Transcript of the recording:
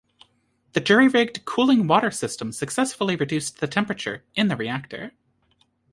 The jury-rigged cooling water system successfully reduced the temperature in the reactor.